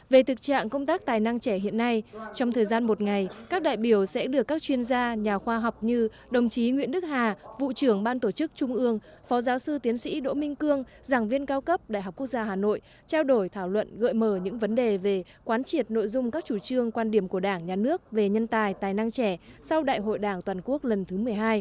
về thực trạng công tác tài năng trẻ hiện nay trong thời gian một ngày các đại biểu sẽ được các chuyên gia nhà khoa học như đồng chí nguyễn đức hà vụ trưởng ban tổ chức trung ương phó giáo sư tiến sĩ đỗ minh cương giảng viên cao cấp đại học quốc gia hà nội trao đổi thảo luận gợi mở những vấn đề về quán triệt nội dung các chủ trương quan điểm của đảng nhà nước về nhân tài tài năng trẻ sau đại hội đảng toàn quốc lần thứ một mươi hai